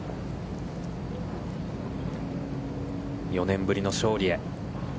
４年ぶりの勝利へ。